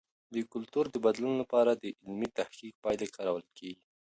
د کلتور د بدلون لپاره د علمي تحقیق پایلې کارول کیږي.